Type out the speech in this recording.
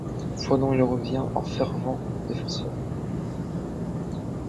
Foi dont il devient un fervent défenseur.